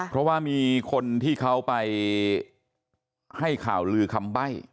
เพราะว่ามีคนที่เขาไปให้ข่าวลือคำใบ้